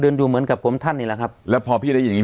ดูเหมือนกับผมท่านนี่แหละครับแล้วพอพี่ได้ยินอย่างงี